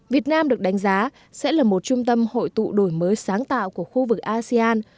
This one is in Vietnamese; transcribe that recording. việt nam được đánh giá sẽ là một trung tâm hội tụ đổi mới sáng tạo của khu vực asean